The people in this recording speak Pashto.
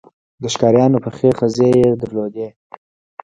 د ښکاریانو پخې خزې یې درلودې.